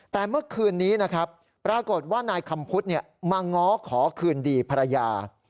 แต่เมื่อคืนนี้นะครับปรากฏว่านายคำพุทธมาง้อขอคืนดีภรรยา